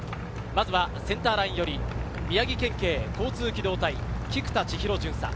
センターラインより宮城県警交通機動隊・菊田智裕巡査。